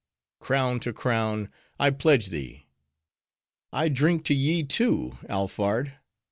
crown to crown, I pledge thee! I drink to ye, too, Alphard!